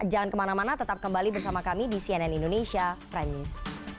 jangan kemana mana tetap kembali bersama kami di cnn indonesia prime news